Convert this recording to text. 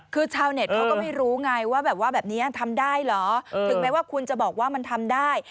คือชาวเน็ตเขาก็ไม่รู้ไงว่าแบบว่าแบบนี้ทำได้เหรอถึงแม้ว่าคุณจะบอกว่ามันทำได้